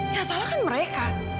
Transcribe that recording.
itu kan mereka